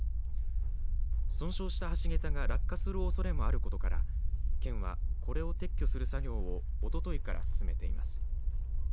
損傷した橋桁が落下するおそれもあることから県はこれを撤去する作業をおとといから進めています。